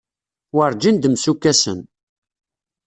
Werǧin d-msukkasen.